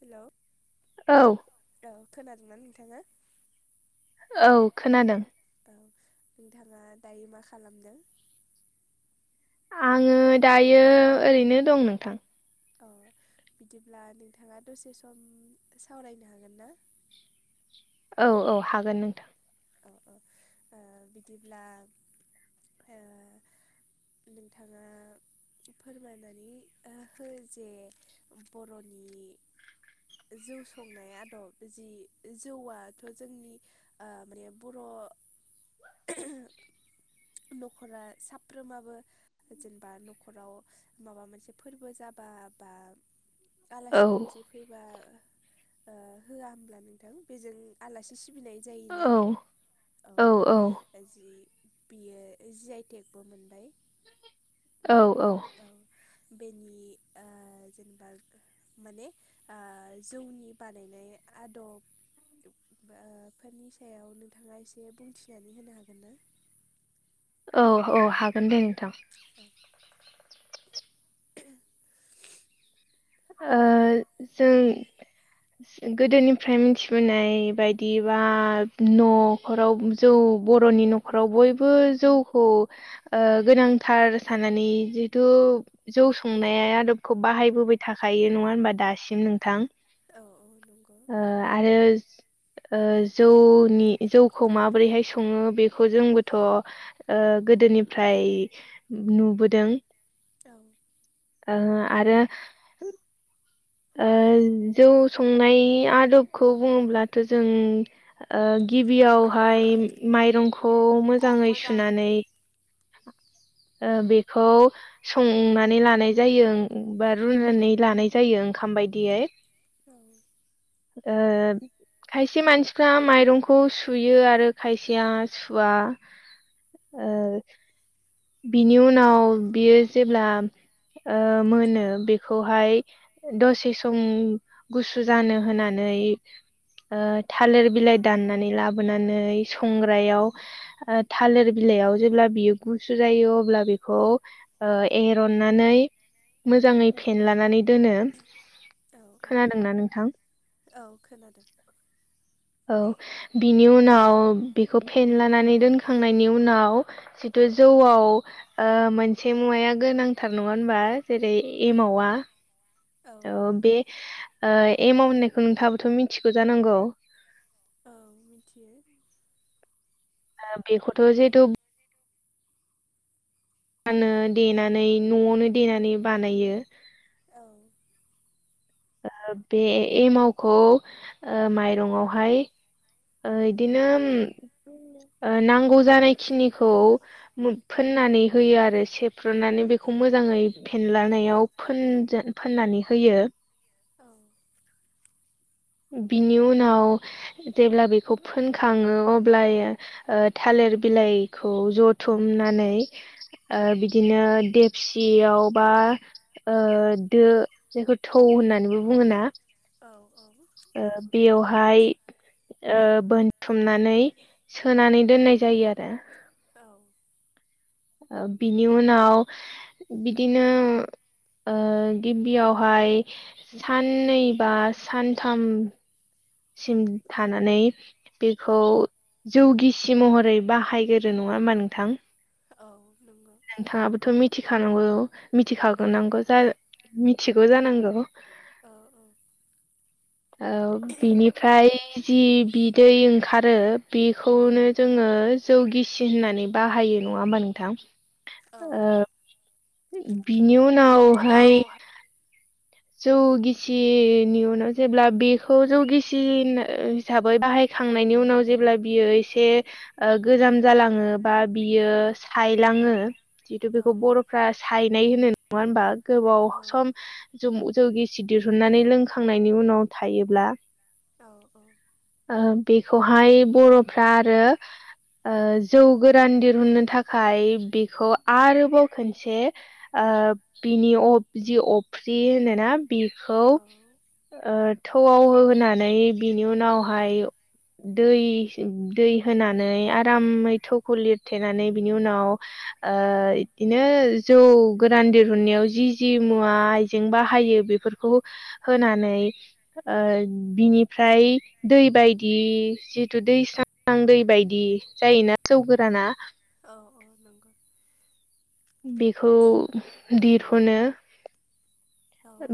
Hello औ औ खोनादोंना नोंथाङा। औ खोनादों। औ नोंथाङा दायो मा खालामदों। आङो दायो ओरैनो दं नोंथां। अ बिदिब्ला नोंथाङा दसे सम सावरायनो हागोन ना औ औ हागोन नोंथां। औ औ ओ बिदिब्ला ओ नोंथाङा फोरमायनानै हो जे बर'नि जौ संनाय आदब जि जौआथ' जोंनि ओ माने बर' [unintelligible] न'खरा साफ्रोमाबो। जेनेबा न'खराव माबा मोनसे फोरबो जाबा बा औ आलासि दुमसि फैबा ओ होआ होमब्ला नोंथां बेजों आलासि सिबिनाय जायोना औ औ औ जि बियो जि आइटेकबो मोनबाय। औ औ औ बेनि ओ जेनेबा। माने आं जौनि बानायनाय आदब फोरनि सायाव नोंथाङा एसे बुंथिनानै होनो हागोन ना? औ औ हागोन दे नोंथां। औ [unintelligible] ओ जों गोदोनिफ्राय मिथिबोनाय बायदिबा न'खराव जौ बर'नि न'खर न'खाव बयबो जौखौ ओ गोनांथार सानानानै जिथु जौ संनाया आदबखौ बाहायबोबाय थाखायो नङा होनबा दासिम नोंथां? औ औ नंगौ ओ आरो ओ जौनि जौखौ माबोरैहाय सङो बेखौ जोंबोथ' ओ गोदोनिफ्राय नुबोदों औ ओ आरो ओ जौ संनाय आदबखौ बुङोब्लाथ' जों ओ गिबियावहाय माइरंखौ मोजाङै सुनानै ओ बेखौ संनानै लानाय जायो बा रुनानै लानाय जायो ओंखाम बायदियै औ ओ खायसे मानसिफ्रा माइरंखौ सुयो आरो खायसेया सुवा आ बिनि उनाव बियो जेब्ला ओ मोनो बेखौहाय दसे सम गुसु जानो होननानै ओ थालिर बिलाइ दाननानै लाबोनानै संग्रायाव ओ थालिर बिलाइयाव जेब्ला बियो गु सुजायो अब्ला बेखौ एरननानै मोजाङै फेेन लानानै दोनो औ खोनादोंना नोंथां औ औ खोनादों औ बिनि उनाव बेखौ फेनलानानै दोनखांनायनि उनाव जिथु जौआव ओ मोनसे मुवाया गोनांथार नङा होनबा जेरै औ एमावा औ बे आ एमाउट होननायखौ नोंथाङाबोथ' मिथिगौ जानांगौ औ मिथियो बेखौथ' जिहेतु मा होनो देनानै न'आवनो देनानै बानायो। औ। बे एमावखौ माइरंआवहाय ओ इदिनो नांगौ जानाय खिनिखौ फोननानै होयो आरो सेफ्रुनानै, बेखौ मोजाङै फेनलानायाव फोनजो फोननानै होयो। औ। बिनि उनाव जेब्ला बेखौ फोनखाङो अब्लायो थालिर बिलाइखौ जथुमनानै बिदिनो देकसियाव बा दो जायखौ थौ होननानैबो बुङोना? औ औ। ओ बेयावहाय ओ बोनथुमनानै सोनानै दोननाय जायो आरो। औ। ओ बिनि उनाव बिदिनो ओ गिबियावहाय साननै बा सानथाम सिम थानानै बेखौ जौगिसि महरै बाहायग्रो नङा होमबा नोंथां? औ नंगौ। नोंथाङाबोथ' मिथिखानांगौ औ मिथिखागोनांगौ मि-मिथिगौ जानांगौ? औ औ। ओ बिनिफ्राय जि बिदै ओंखारो बेखौनो जोङो जौ गिसि होननानै बाहायो नङा होमबा नोंथां? औ ओ बिनि उनावहाय जौ गिसिनि उनाव जेब्ला बेखौ जौ गिसि हिसाबै बाहायखांनायनि उनाव जेब्ला बियो एसे ओ गोजाम जालाङो बा नंगौ बियो सायलाङो। जिहेतु औ बेखौ बर'फ्रा सायनाय होनो नङा होनबा गोबाव सम ज जौ गिसि दिहुननानै लोंखांनायनि उनाव थायोब्ला औ औ। ओ बेखौहाय बर'फ्रा आरो ओ जौ गोरान दिहुननो थाखाय बेखौ आरोबाव खनसे ओ बिनि अब जि अफ्रि होनोना बिखौ औ ओ थौआव होनानै, बिनि उनावहाय दै दै होनानै आरामै थौखौ लिरथेनानै, बिनि उनाव ओ इदिनो जौ गोरान दिहुननायाव जि जि मुवा आइजें बाहायो बेफोरखौ होनानै ओ बिनिफ्राय दै बायदि जितु दैस्रां दै बायदि जायोना जौ गोराना? औ औ नंगौ। बेखौ दिरहुनो।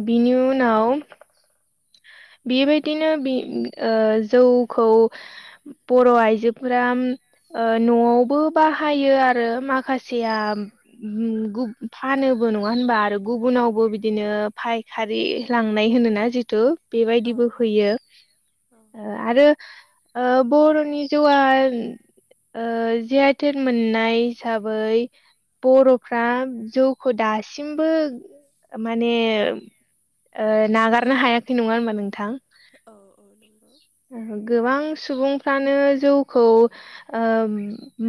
बिनि उनाव बेबायदिनो बि ओ जौखौ बर' आइजोफोरा ओ न'आवबो बाहायो आरो माखासेया उम गुब फानोबो नङा होनबा आरो गुबुनावबो बिदिनो फाय खारि लांनाय होनोना जिथु औ औ बेबायदिबो हैयो। ओ आरो ओ बर'नि जौआन ओ जि आइ टेन मोननाय हिसाबै बर'फ्रा जौखौ दासिमबो माने ओ नागारनो हायाखै नङा होनबा नोंथां नोंगौ गोबां सुबुंफ्रानो जौखौ ओ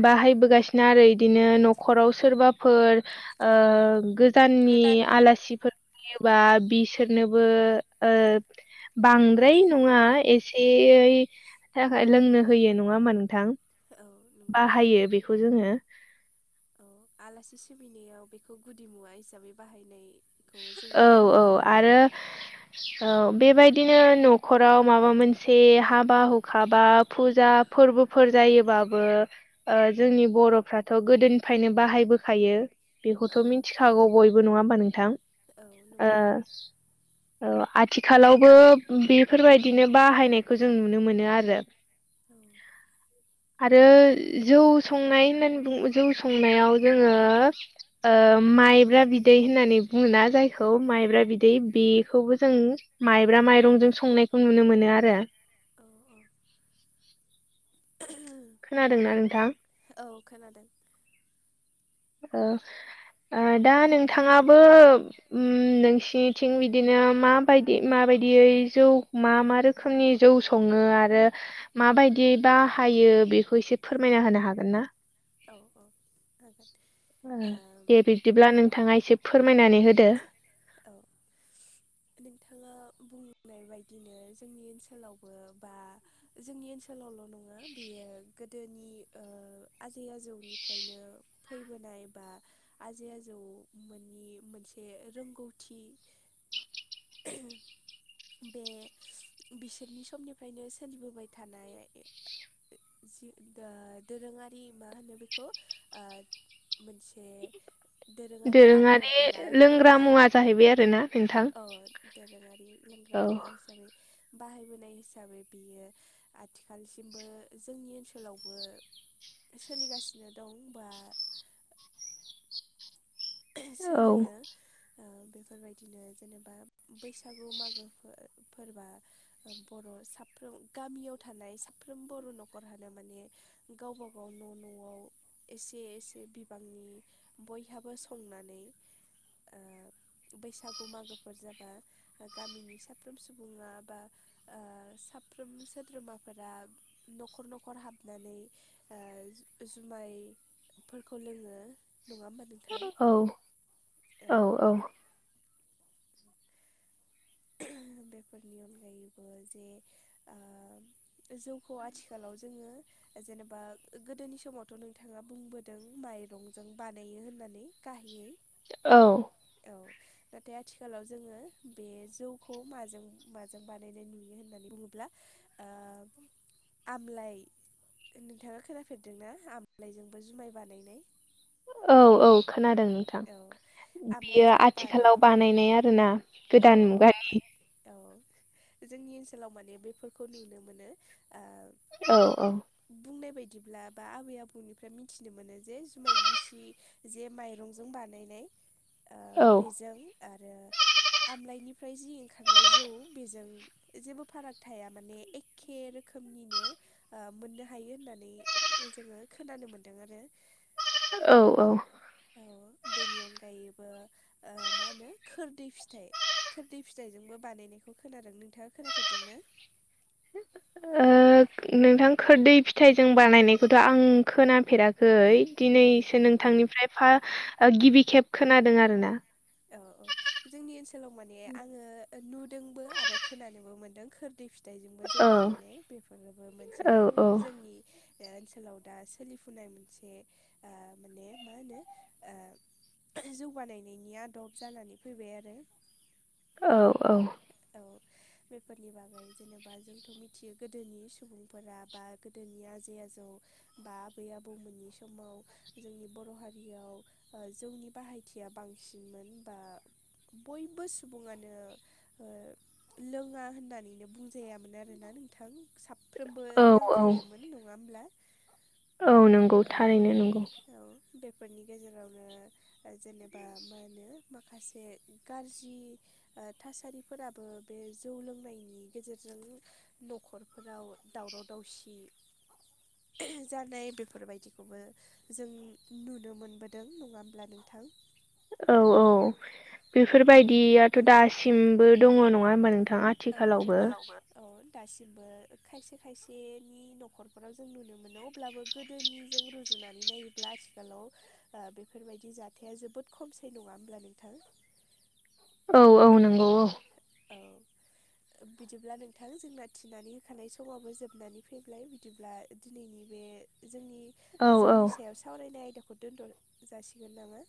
बाहायबोगासिनो आरो इदिनो न'खराव सोरबाफोर ओ गोजाननि आलासिफोर फैयोबा बिसोरनोबो ओ बांद्राय नङा एसेयै थाखाय लोंनो होयो नङा होमा नोंथां औ नंगौ बाहायो बेखौ जोङो औ आलासि सिबिनायाव बेखौ गुदि मुवा हिसाबै बाहायनाय खौ जोङो नुनो मोनो आरो ओ बेबायदिनो न'खराव माबा मोनसे हाबा हुखा बा फुजा फोरबोफोर जायोबाबो ओ जोंनि बर'फ्राथ' गोदोनिफायनो बाहायबोखायो औ बेखौथ' मिन्थिखागौ बयबो नङा होमबा नोंथां औ ओ नंगौ औ आथिखालावबो बेफोरबायदिनो बाहायनायखौ जों नुनो मोनो आरो औ आरो जौ संनाय होननानै बुङो जौ संनायाव जोङो। ओ माइब्रा बिदै होननानै बुङोना जायखौ माइब्रा बिदै बेखौबो जों माइब्रा माइरंजों संनायखौ नुनो मोनो आरो औ औ खोनादोंना नोंथां? औ खोनादों औ ओ दा नोंथाङाबो उम नोंसिनिथिं बिदिनो माबायदि माबायदियै जौ मा मा रोख खोमनि जौ सङो आरो माबायदि बाहायो बेखौ इसे फोरमायना होनो हागोन ना औ औ होगोन [unintelligible] दे बिब्दिब्ला नोंथाङा इसे फोरमायनानै होदो औ नोंथाङा बुंनाय बायदिनो जोंनि ओनसोलावबो बा जोंनि ओनसोलावल' नङा बेयो गोदोनि ओ आजै आजौनिफ्रायनो फैबोनाय बा आजै आजौमोननि मोनसे रोंगौथि [unintelligible] बे बिसोरनि समनिफ्रायनो सोलिबोबाय थानाय [unintelligible] जि दा दोरोङारि मा होनो बेखौ आ मोनसे दोरोङारि आदब एबा लोंग्रा हुदा मुवा जाहैबाय आरोना नोंथां अ दोरोङारि लोंग्रा औ मुवा हिसाबै बाहायबोनाय हिसाबै बियो आथिखालसिमबो जोंनि ओनसोलावबो सोलिगासिनो दं बा [unintelligible] औ सोलियो ओ बेफोरबायदिनो जेनेबा बैसागु मागो फो फोरबा बर' साफ्रोम गामियाव थानाय साफ्रोम बर' न'खरहानो माने गावबा गाव न' न'आव एसे एसे बिबांनि बयहाबो स संनानै ओ बैसागु मागोफोर जाबा गामिनि साफ्रोम सुबुङा बा ओ साफ्रोम सोद्रोमाफोरा न'खर न'खर हाबनानै ओ जुमायफोरखौ लोङो नङा होमबा नों औ औ औ। बेफोरनि अनगायैबो जे ओ जौखौ आथिखालाव जोङो जेनेबा गोदोनि समावथ' नोंथाङा बुंबोदों माइरंजों बानायो होननानै। गाहायै औ। औ नाथाय आथिखालाव जोङो बे जौखौ माजों माजों बानायनाय नुयो होननानै बुङोब्ला ओ आमलाय नोंथाङा खोनाफेरदों ना आमलायजोंबो जुमाय बानायनाय। औ औ खोनादों नों थां। औ बियो आमलाइजों आथिखालाव बानायो बानायनाय आरो ना औ गोदान औ मुगानि। औ जोंनि ओनसोलाव माने बेफोरखौ नुनो मोनो ओ औ औ। बुंनाय बायदिब्ला बा आबै आबौनिफ्राय मिथिनो मोनो जे जुमाय गिसि जे माइ रंजों बानायनाय ओ औ बेजों आरो आमलाइनिफ्राय जि ओंखारनाय जौ बेजों जेबो फाराग थाया माने एखे रोखोमनिनो ओ मोननो हायो होननानै जोङो खोनानो मोन्दों आरो औ औ। औ बेनि अनगायैबो ओ मा होनो खोरदै फिथाइ खोरदै फिथाइजोंबो बानायनायखौ खोनादों। नोंथाङा खोनाफेरदों ना? [unintelligible] ओ नोंथां खोरदै फिथाइजों बानायनायखौथ' आं खोनाफेराखै। अ दिनैसो नोंथांनिफ्राय फा ओ गिबि खेब खोनादों आरो ना। औ औ जोंनि ओनसोलाव माने आङो ओ नुदोंबो आरो खोनानोबो मोनदों खोर दै फिथाइजोंबो जौ औ बानायनाय। बेफोरबो मोनसे औ औ खुब जोंनि ओ ओनसोलाव दा सोलिफुनाय मोनसे ओ माने मा होनो ओ जौ बानायनायनि आदब जानानै फैबाय आरो औ औ। औ। बेफोरनि बागै जेनेबा जोंथ' मिथियो गोदोनि सुबुंफोरा बा गोदोनि आजै आजौ बा आबै आबौमोननि समाव जोंनि बर' हारियाव ओ जौनि बाहायथिया बांसिनमोन बा बयबो सुबुङानो ओ लोङा होननानैनो बुंजायामोन आरो ना नोंथां साब फ्रोमबो औ औ लोंखायोमोन नङा होमब्ला औ नंगौ औ थारैनो नंगौ। औ बेफोरनि गेजेरावनो ओ जेनेबा मा होनो माखासे गाज्रि ओ थासारि फोराबो बे जौ लोंनायनि गेजेरजों न'खरफोराव दावराव दावसि जानाय बेफोर बायदिखौबो जों नुनो मोनबोदों नङा होमब्ला नोंथां। औ औ। औ बेफोरबायदियाथ' दासिमबो दङ' नङा होमबा नोंथां। आ औ थिखालावबो। औ दासिमबो खायसे खायसेनि न'खरफोराव जों नुनो मोनो अब्लाबो गोदोनिजों रुजुनानै नायोब्ला आथिखालाव आ बेफोरबायदि जाथाया जोबोद खमसै नङा होमब्ला नोंथां। औ औ नंगौ औ। औ। बिदिब्ला नोंथां जोंना थिनानै होखानाय समावबो जोबनानै फैबाय बिदिब्ला दिनैनि बे जोंनि औ औ जौनि सायाव सावरायनाय आयदाखौ दोन्थ' जासिगोन नामा?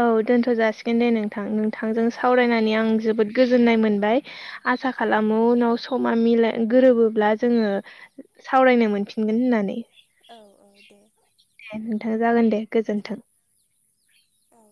औ दोनथ' जासिगोन दे नोंथां नोंथांजों औ सावरायनानै आं जोबोद गोजोननाय मोनबाय आसा खालामो उनाव समा मिलाय गोरोबोब्ला जोङो सावरायनो मोनफिनगोन होननानै। औ औ दे। दे नोंथां जागोन दे गोजोन्थों। औ।